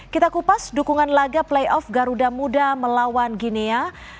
kita kupas dukungan laga playoff garuda muda melawan ginia